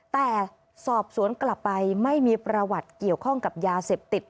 แต่สอบสวนกลับไปไม่มีประวัติเกี่ยวข้องกับยาเสพติด